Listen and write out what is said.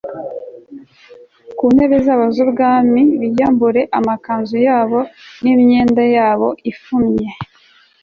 ku ntebe zabo z ubwami k biyambure amakanzu yabo n imyenda yabo ifumye